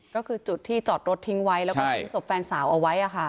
ก็คือจุดที่จอดรถทิ้งไว้แล้วก็ทิ้งศพแฟนสาวเอาไว้